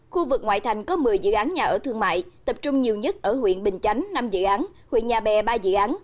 khu vực ngoại thành có một mươi dự án nhà ở thương mại tập trung nhiều nhất ở huyện bình chánh năm dự án huyện nhà bè ba dự án